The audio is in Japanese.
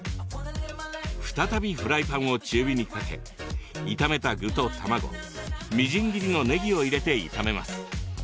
再びフライパンを中火にかけ炒めた具と卵みじん切りのねぎを入れて炒めます。